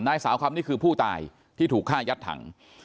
นางสาวคำนี่คือผู้ตายที่ถูกฆ่ายัดถัง